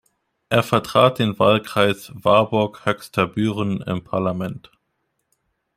Er vertrat den Wahlkreis Warburg-Höxter-Büren im Parlament.